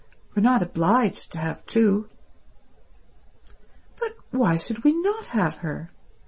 We're not obliged to have two." "But why should we not have her?